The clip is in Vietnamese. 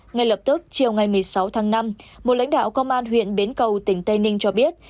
ngay lập tức chiều ngày một mươi sáu tháng năm một lãnh đạo công an huyện bến cầu tỉnh tây ninh cho biết